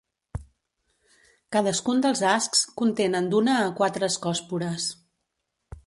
Cadascun dels ascs contenen d'una a quatre ascòspores.